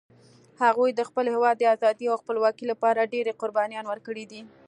هغوی د خپل هیواد د آزادۍ او خپلواکۍ لپاره ډېري قربانيان ورکړي دي